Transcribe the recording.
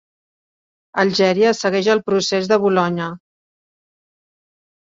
Algèria segueix el procés de Bolonya.